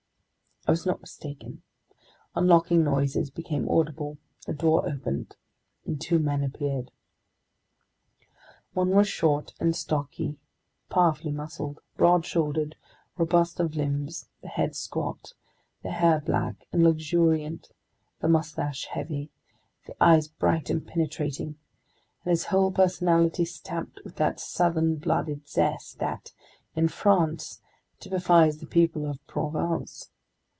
I was not mistaken. Unlocking noises became audible, a door opened, and two men appeared. One was short and stocky, powerfully muscled, broad shouldered, robust of limbs, the head squat, the hair black and luxuriant, the mustache heavy, the eyes bright and penetrating, and his whole personality stamped with that southern blooded zest that, in France, typifies the people of Provence.